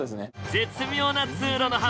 絶妙な通路の幅！